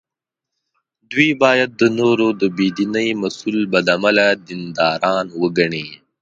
دوی باید د نورو د بې دینۍ مسوول بد عمله دینداران وګڼي.